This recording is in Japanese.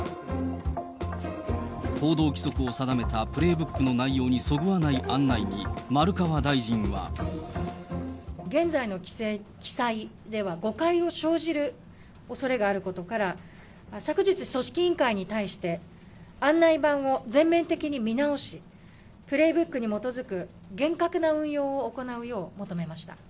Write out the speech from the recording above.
行動規則を定めたプレイブックの内容にそぐわない案内に丸川大臣現在の記載では、誤解を生じるおそれがあることから、昨日、組織委員会に対して、案内板を全面的に見直し、プレイブックに基づく厳格な運用を行うよう求めました。